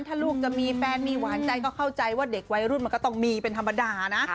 ถ้าลูกจะมีแฟนมีหวานใจก็เข้าใจว่าเด็กวัยรุ่นมันก็ต้องมีเป็นธรรมดานะ